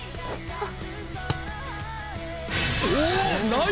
あっ！